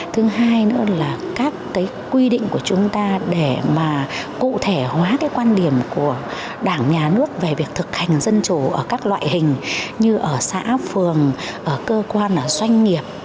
thứ hai nữa là các cái quy định của chúng ta để mà cụ thể hóa cái quan điểm của đảng nhà nước về việc thực hành dân chủ ở các loại hình như ở xã phường ở cơ quan ở doanh nghiệp